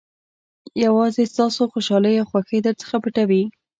یوازې ستاسو خوشالۍ او خوښۍ درڅخه پټوي.